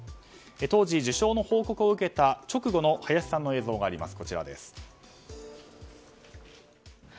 当時、受賞の報告を受けた直後の林さんの映像があります。